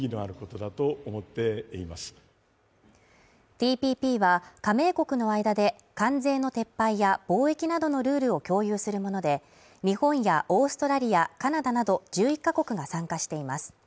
ＴＰＰは加盟国の間で関税の撤廃や貿易などのルールを共有するもので、日本やオーストラリア、カナダなど１１カ国が参加しています。